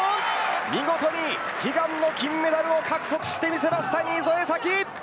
見事に悲願の金メダルを獲得してみせました、新添左季！